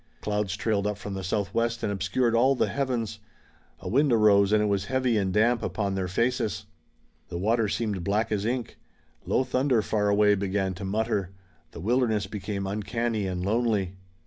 Clouds trailed up from the southwest and obscured all the heavens. A wind arose and it was heavy and damp upon their faces. The water seemed black as ink. Low thunder far away began to mutter. The wilderness became uncanny and lonely.